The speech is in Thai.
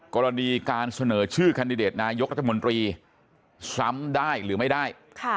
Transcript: กรณีการเสนอชื่อแคนดิเดตนายกรัฐมนตรีซ้ำได้หรือไม่ได้